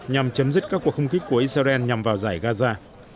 nhằm chấm dứt các cuộc không kích của israel nhằm vào giải gaza